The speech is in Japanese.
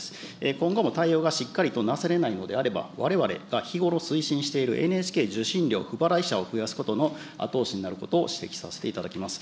今後も対応がしっかりとなされないのであれば、われわれが日頃推進しているＮＨＫ受信料不払い者を増やすことの後押しになることを指摘させていただきます。